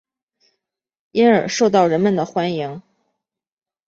因而受到人们的欢迎。